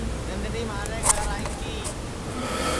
نندنی مھارے گھر آئی تی